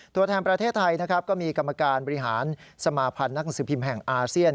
ต่อแทนประเทศไทยก็มีกรรมการบริหารสมาภัณฑ์หนังสือพิมพ์แห่งอาเซียน